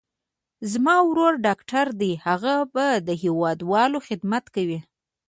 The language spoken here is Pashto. زما ورور ډاکټر دي، هغه به د هېوادوالو خدمت کوي.